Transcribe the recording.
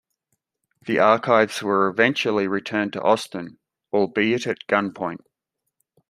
The archives were eventually returned to Austin, albeit at gunpoint.